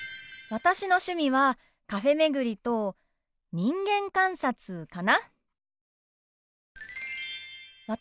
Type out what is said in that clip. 私の趣味はカフェ巡りと人間観察かな。